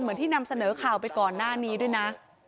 เหมือนที่นำเสนอข่าวไปก่อนหน้านี้ด้วยนะ